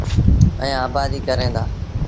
ائيٚݩ آبآديٚ ڪريݩ دآ۔